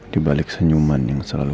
dibalik senyuman yang selalu